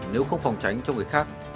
nếu không phòng tránh cho người khác